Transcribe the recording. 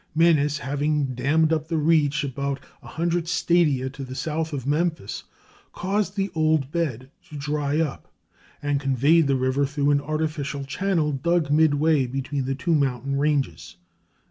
Menes, having dammed up the reach about a hundred stadia to the south of Memphis, caused the old bed to dry up, and conveyed the river through an artificial channel dug midway between the two mountain ranges.